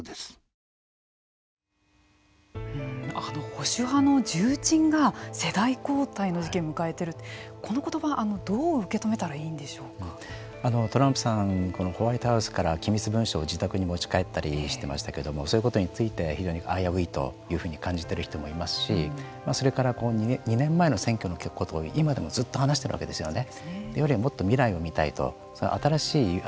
保守派の重鎮が世代交代の時期を迎えているってこの言葉どう受け止めたらトランプさんホワイトハウスから機密文書を自宅に持ち帰ったりしていましたけどそういうことについて非常に危ういというふうに感じている人もいますしそれから２年前の選挙のことを今でもずっと話しているわけですよね。